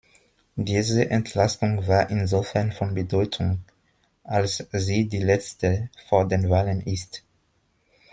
Diese Entlastung war insofern von Bedeutung, als sie die letzte vor den Wahlen ist.